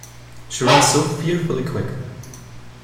She runs so fearfully quick.